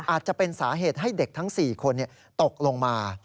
อาจจะเป็นสาเหตุให้เด็กทั้ง๔คนตกลงมา